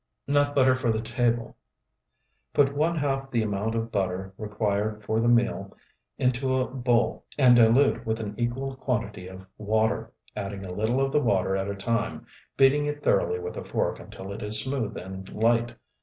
NUT BUTTER FOR THE TABLE Put one half the amount of butter required for the meal into a bowl and dilute with an equal quantity of water, adding a little of the water at a time, beating it thoroughly with a fork until it is smooth and light.